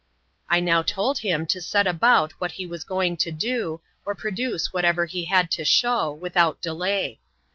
I now told him to set about what he was going to do, or produce whatever he had to show, without delay.